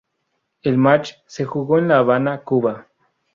El match se jugó en La Habana, Cuba.